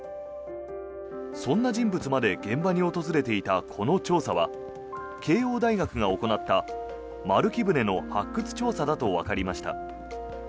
そんな人物まで現場に訪れていたこの調査は慶應大学が行った丸木舟の発掘調査だとわかりました。